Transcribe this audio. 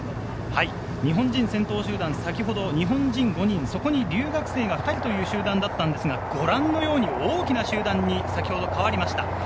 日本人先頭集団、先ほど日本人が５人、留学生が２人という集団でしたが、ご覧のように大きな集団に変わりました。